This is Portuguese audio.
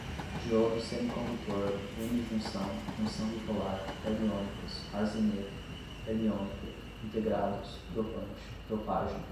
diodo semicondutor, unijunção, junção bipolar, termiônicos, arseneto, termiônica, integrados, dopante, dopagem